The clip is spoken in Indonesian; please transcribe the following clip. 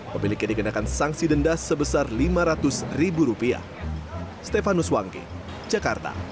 pemiliknya dikenakan sanksi denda sebesar lima ratus ribu rupiah